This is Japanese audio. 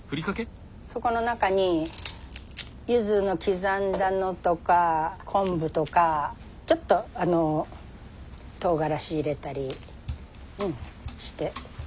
そこの中にゆずの刻んだのとか昆布とかちょっととうがらし入れたりねして。